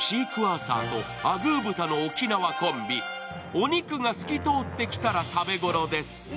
お肉が透き通ってきたら食べごろです。